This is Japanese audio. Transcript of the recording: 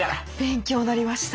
勉強になりました。